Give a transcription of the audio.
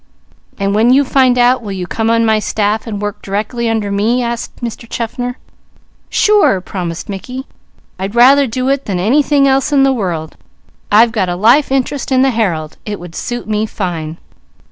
"And when you find out, will you come on my staff, and work directly under me?" asked Mr. Chaffner. "Sure!" promised Mickey. "I'd rather do it than anything else in the world. It would suit me fine.